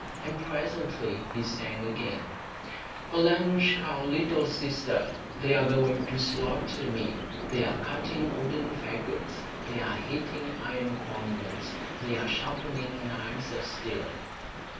And presently he sang again: "Alenoushka, little sister, They are going to slaughter me; They are cutting wooden fagots, They are heating iron cauldrons, They are sharpening knives of steel."